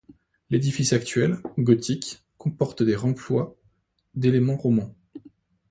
L'édifice actuel, gothique, comporte des remplois d'éléments romans.